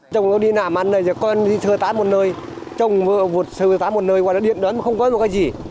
trong lúc đi nả măn con đi sơ tán một nơi trong vụt sơ tán một nơi điện đó không có cái gì